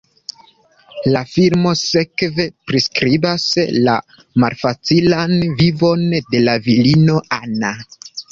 La filmo sekve priskribas la malfacilan vivon de la virino, Anna.